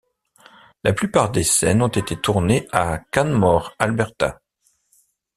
La plupart des scènes ont été tournées à Canmore, Alberta.